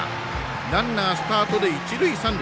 ランナー、スタートで一塁三塁。